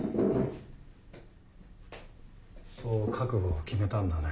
そう覚悟を決めたんだね。